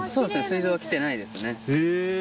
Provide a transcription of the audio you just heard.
水道はきてないですね。